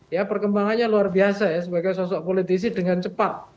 ya perkembangannya luar biasa ya sebagai sosok politisi dengan cepat